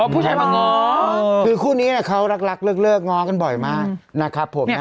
ผู้ชายมาง้อคือคู่นี้เขารักเลิกง้อกันบ่อยมากนะครับผม